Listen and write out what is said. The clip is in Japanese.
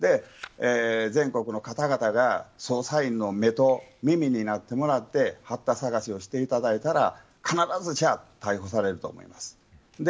全国の方々が、捜査員の目と耳になってもらって八田探しをしていただいたら必ず逮捕されると思います。